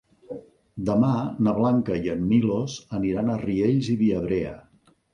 Demà na Blanca i en Milos aniran a Riells i Viabrea.